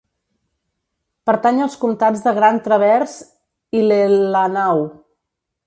Pertany als comtats de Grand Traverse i Leelanau.